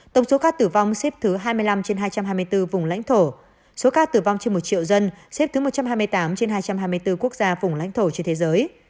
tổng số ca tử vong xếp thứ hai mươi năm trên hai trăm hai mươi bốn vùng lãnh thổ số ca tử vong trên một triệu dân xếp thứ một trăm hai mươi tám trên hai trăm hai mươi bốn quốc gia vùng lãnh thổ trên thế giới